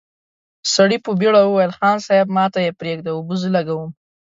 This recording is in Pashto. سړي په بېړه وويل: خان صيب، ماته يې پرېږده، اوبه زه لګوم!